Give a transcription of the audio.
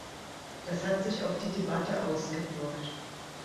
Das hat sich auf die Debatte ausgewirkt.